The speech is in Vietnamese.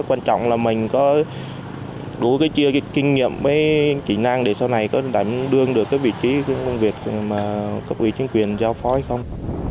quan trọng là mình có đủ kinh nghiệm với kỹ năng để sau này có đảm đương được vị trí công việc mà cấp ủy chính quyền giao phó hay không